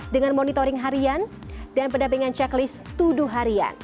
dengan monitoring harian dan pendampingan checklist tuduh harian